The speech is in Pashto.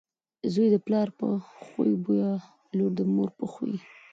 زوی دپلار په خوی بويه، لور دمور په خوی .